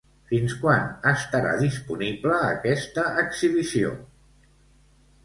Fins quan estarà disponible aquesta exhibició?